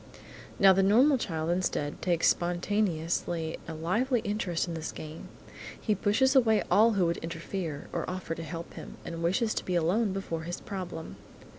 Now the normal child, instead, takes spontaneously a lively interest in this game. He pushes away all who would interfere, or offer to help him, and wishes to be alone before his problem.